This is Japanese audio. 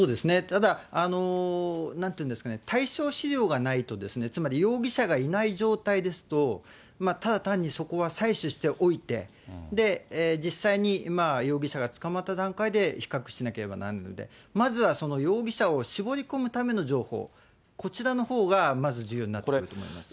ただ、なんていうんですかね、対象資料がないと、つまり容疑者がいない状態ですと、ただ単にそこは採取しておいて、実際に容疑者が捕まった段階で比較しなければならないので、まずは容疑者を絞り込むための情報、こちらのほうがまず重要になってくると思います。